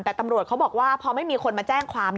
แต่ตำรวจเขาบอกว่าพอไม่มีคนมาแจ้งความ